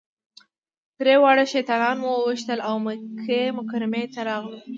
درې واړه شیطانان مو وويشتل او مکې مکرمې ته راغلو.